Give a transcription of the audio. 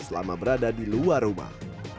selama berada di luar rumah